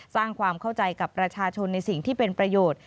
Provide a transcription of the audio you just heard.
สร้างความเข้าใจกับประชาชนในสิ่งที่เป็นประโยชน์